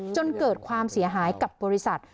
จนเกิดความเสียหายกับบริษัท